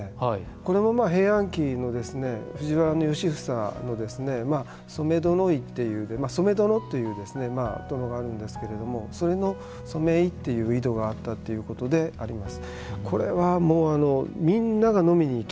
これも平安期の藤原良房の染殿井という染殿第があるんですけれどもそれの染井という井戸があったということであります。